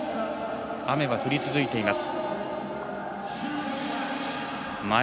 雨は降り続いています。